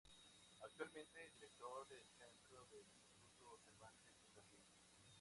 Actualmente, es director del centro del Instituto Cervantes en Berlín.